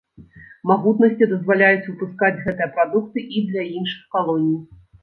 Магутнасці дазваляюць выпускаць гэтыя прадукты і для іншых калоній.